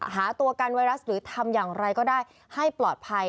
หาตัวกันไวรัสหรือทำอย่างไรก็ได้ให้ปลอดภัย